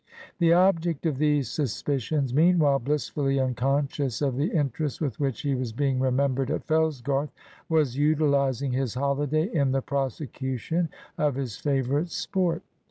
The object of these suspicions, meanwhile, blissfully unconscious of the interest with which he was being remembered at Fellsgarth, was utilising his holiday in the prosecution of his favourite sport.